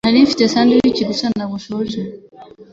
Nari mfite sandwich gusa ntabwo nshonje.